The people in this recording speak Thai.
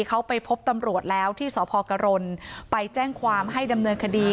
เขาไปพบตำรวจแล้วที่สพกรณไปแจ้งความให้ดำเนินคดี